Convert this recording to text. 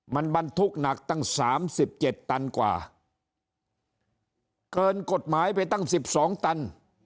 มันบรรทุกหนักตั้งสามสิบเจ็ดตันกว่าเกินกฎหมายไปตั้ง๑๒ตัน